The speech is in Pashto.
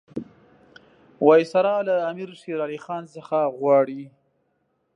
وایسرا له امیر شېر علي خان څخه غواړي.